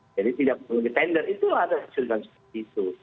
jadi tidak perlu di tender itu ada kecurigaan seperti itu